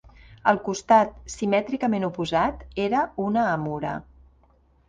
El costat simètricament oposat era una amura.